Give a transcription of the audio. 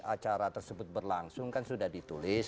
acara tersebut berlangsung kan sudah ditulis